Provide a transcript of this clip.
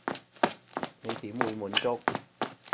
你點會滿足？